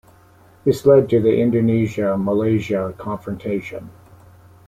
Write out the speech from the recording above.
This led to the Indonesia-Malaysia confrontation.